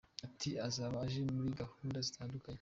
Ati “Azaba aje muri gahunda zitandukanye.